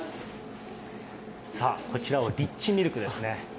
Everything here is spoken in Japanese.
さあ、こちらはリッチミルクですね。